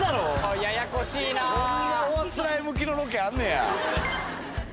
こんなおあつらえ向きのロケあんねや。